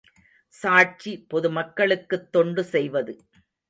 சாட்சி பொதுமக்களுக்குத் தொண்டு செய்வது.